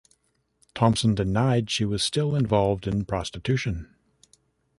Thompson denied she was still involved in prostitution.